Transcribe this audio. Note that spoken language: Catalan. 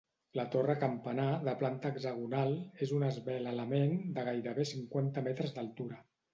La torre campanar, de planta hexagonal, és un esvelt element de gairebé cinquanta metres d'altura.